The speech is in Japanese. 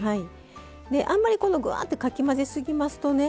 あんまりぐわっとかき混ぜすぎますと